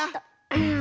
うん。